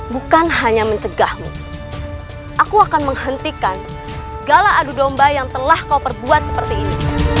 bukan hanya mencegahmu aku akan menghentikan segala adu domba yang telah kau perbuat seperti ini